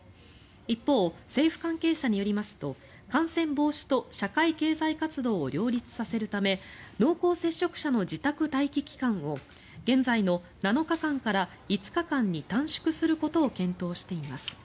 一方、政府関係者によりますと感染防止と社会経済活動を両立させるため濃厚接触者の自宅待機期間を現在の７日間から５日間に短縮することを検討しています。